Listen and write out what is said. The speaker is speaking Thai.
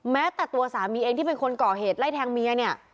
แม้แต่ตัวสามีเองที่เป็นคนก่อเหตุไล่แทงเมียเนี่ย